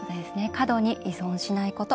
「過度に依存しないこと。